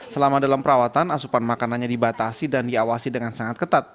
selama dalam perawatan asupan makanannya dibatasi dan diawasi dengan sangat ketat